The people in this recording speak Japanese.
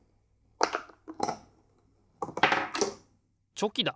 チョキだ！